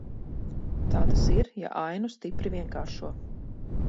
Tā tas ir, ja ainu stipri vienkāršo.